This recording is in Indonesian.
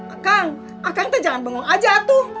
akang akang jangan bengong aja tuh